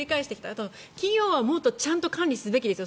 あと企業はもっとちゃんと管理すべきですよ。